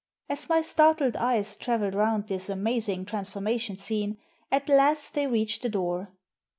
As my startled eyes travelled round this amazing transformation scene, at last they reached the door.